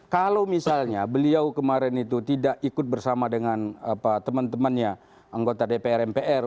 kalau misalnya beliau kemarin itu tidak ikut bersama dengan teman temannya anggota dpr mpr